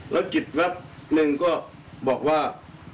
แล้วจิตรับหนึ่งก็บอกว่า